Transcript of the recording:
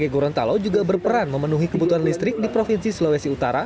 gorontalo juga berperan memenuhi kebutuhan listrik di provinsi sulawesi utara